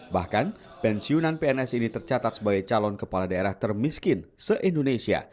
bahkan pensiunan pns ini tercatat sebagai calon kepala daerah termiskin se indonesia